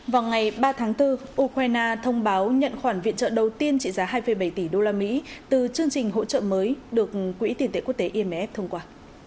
vào ngày ba tháng bốn ukraine thông báo nhận khoản viện trợ đầu tiên trị giá hai bảy tỷ usd từ chương trình hỗ trợ mới được quỹ tiền tệ quốc tế imf thông qua